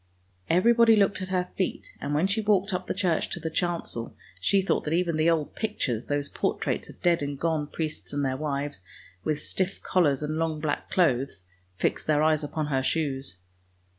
Everybody looked at her feet, and when she walked up the church to the chancel, she thought that even the old pictures, those portraits of dead and gone priests and their wives, with stiff collars and long black clothes, fixed their eyes upon her shoes.